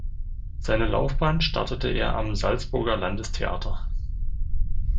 Seine Laufbahn startete er am Salzburger Landestheater.